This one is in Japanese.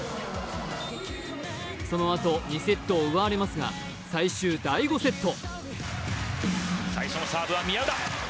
そのあと２セットを奪われますが最終第５セット。